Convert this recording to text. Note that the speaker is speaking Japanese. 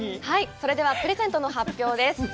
それでは、プレゼントの発表です。